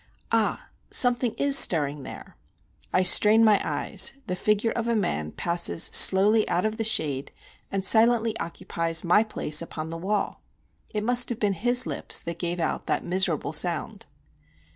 Ah! something is stirring there. I strain my eyes—the figure of a man passes slowly out of the shade, and silently occupies my place upon the wall. It must have been his lips that gave out that miserable sound.